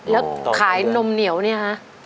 แล้วขายนมเหนียวแบบนี้คะ